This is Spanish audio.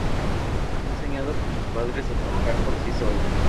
Fue enseñada por sus padres a trabajar por sí sola.